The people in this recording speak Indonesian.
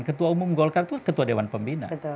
ketua umum golkar itu ketua dewan pembina